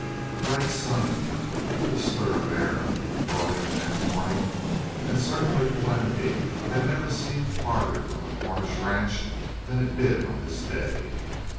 A bright sun, a cool stir of air, brought in the next morning, and certainly calamity had never seemed farther from the Cornish ranch than it did on this day.